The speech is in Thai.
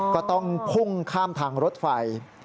ก็ต้องพุ่งข้ามทางรถไฟ